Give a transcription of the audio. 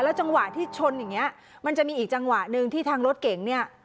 จังหวะที่ชนอย่างเงี้ยมันจะมีอีกจังหวะหนึ่งที่ทางรถเก่งเนี่ย